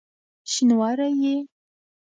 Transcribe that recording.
شینواری یې؟!